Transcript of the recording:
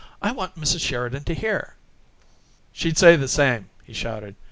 I want Mrs. Sheridan to hear." "She'd say the same," he shouted.